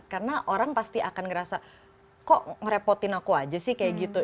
karena orang pasti akan ngerasa kok ngerepotin aku aja sih kayak gitu